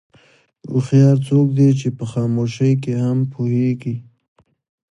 هوښیار څوک دی چې په خاموشۍ کې هم پوهېږي.